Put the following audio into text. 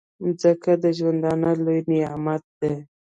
مځکه د ژوندانه لوی نعمت دی.